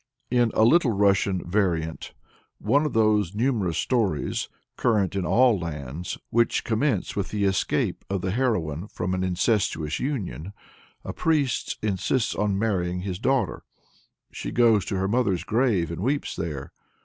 In a Little Russian variant of one of those numerous stories, current in all lands, which commence with the escape of the heroine from an incestuous union, a priest insists on marrying his daughter. She goes to her mother's grave and weeps there.